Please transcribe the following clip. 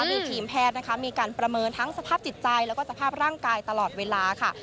มีทีมแพทย์นะคะมีการประเมินทั้งสภาพจิตใจแล้วก็สภาพร่างกายตลอดเวลาค่ะ